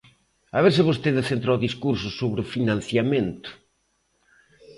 A ver se vostede centra o discurso sobre o financiamento.